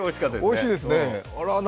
おいしいですね。